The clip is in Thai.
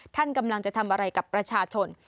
ท่านกำลังจะทำอะไรกับประชาชน